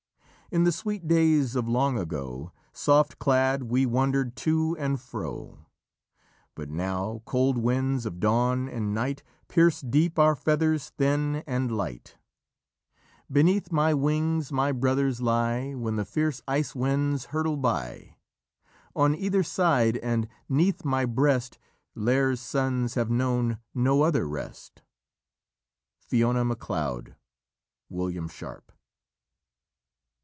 In the sweet days of long ago, Soft clad we wandered to and fro: But now cold winds of dawn and night Pierce deep our feathers thin and light. Beneath my wings my brothers lie When the fierce ice winds hurtle by; On either side and 'neath my breast Lîr's sons have known no other rest." Fiona Macleod (William Sharp).